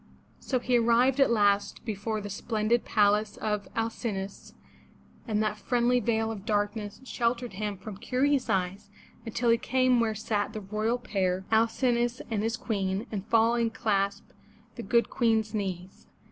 So he arrived at last before the splendid palace of Al cin'o us, and that friendly veil of darkness sheltered him from curious eyes, until he came where sat the royal pair, Al cin'o us and his Queen, and falling, clasped the good Queen's knees.